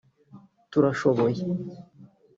Turashoboye